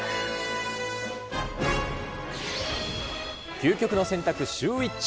究極の選択、シューＷｈｉｃｈ。